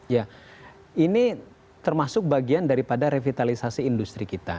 ya ini termasuk bagian daripada revitalisasi industri kita